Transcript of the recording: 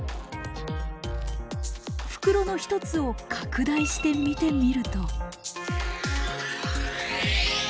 袋の一つを拡大して見てみると。